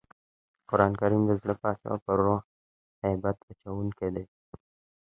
قرانکریم د زړه باچا او پر روح هیبت اچوونکی دئ.